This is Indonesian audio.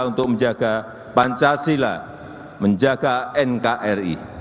untuk menjaga pancasila menjaga nkri